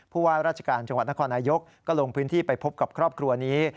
ว่าราชการจังหวัดนครนายกก็ลงพื้นที่ไปพบกับครอบครัวนี้